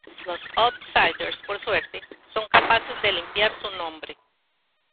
Los Outsiders, por suerte, son capaces de limpiar su nombre.